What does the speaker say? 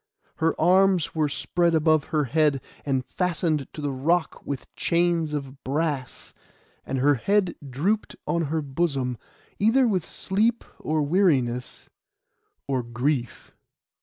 Her arms were spread above her head, and fastened to the rock with chains of brass; and her head drooped on her bosom, either with sleep, or weariness, or grief.